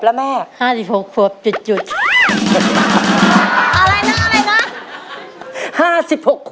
เอาแม่ไปเลี้ยง